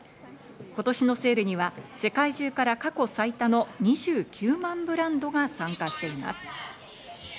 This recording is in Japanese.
今年のセールには世界中から過去最多の２９万ブランドが参加しています。